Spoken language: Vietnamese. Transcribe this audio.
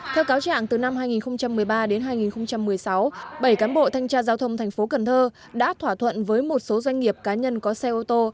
theo cáo trạng từ năm hai nghìn một mươi ba đến hai nghìn một mươi sáu bảy cán bộ thanh tra giao thông tp cn đã thỏa thuận với một số doanh nghiệp cá nhân có xe ô tô